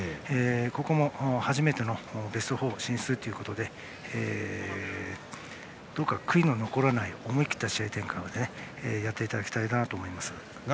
ここも初めてのベスト４進出ということでどうか悔いの残らない思い切った試合展開をやっていただきたいなと思います。